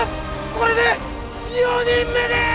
これで４人目でーす！